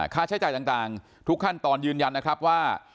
ค่าใช้จ่ายต่างทุกขั้นตอนยืนยันนะครับว่า